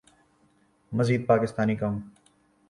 مزید پاکستانی کم